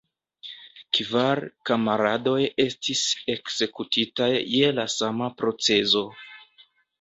Kvar kamaradoj estis ekzekutitaj je la sama procezo.